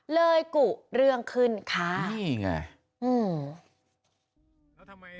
เลยกุเรื่องขึ้นค่ะนี่ไง